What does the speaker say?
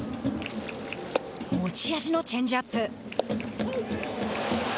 持ち味のチェンジアップ。